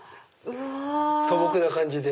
素朴な感じで。